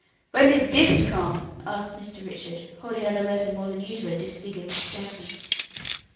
"When did this come?" asked Mr. Richard, holding out a letter more than usually disfigured with stampings.